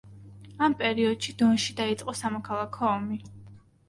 ამ პერიოდში დონში დაიწყო სამოქლაქო ომი.